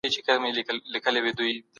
د حق لپاره ږغ پورته کړئ.